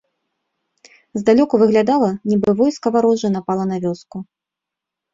Здалёку выглядала, нібы войска варожае напала на вёску.